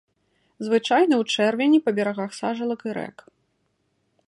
Звычайны ў чэрвені па берагах сажалак і рэк.